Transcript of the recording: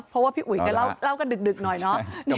เพราะว่าพี่อุ๋ยก็เล่ากันดึกหน่อยเนาะ